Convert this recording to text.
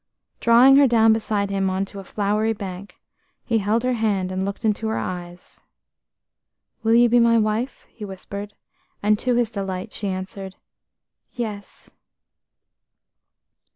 Drawing her down beside him on to a flowery bank, he held her hand and looked into her eyes. "Will you be my wife?" he whispered, and to his delight she answered, "Yes."